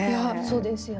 そうですよね。